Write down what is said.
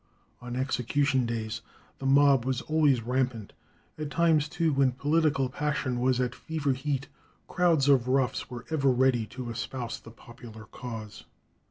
On execution days the mob was always rampant; at times, too, when political passion was at fever heat, crowds of roughs were ever ready to espouse the popular cause.